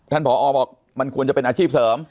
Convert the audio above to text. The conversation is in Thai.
ผอบอกมันควรจะเป็นอาชีพเสริม